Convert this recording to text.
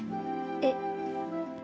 えっ。